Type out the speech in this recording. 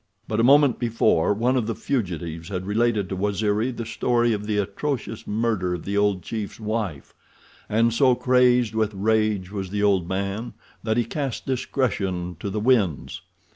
But a moment before one of the fugitives had related to Waziri the story of the atrocious murder of the old chief's wife, and so crazed with rage was the old man that he cast discretion to the winds.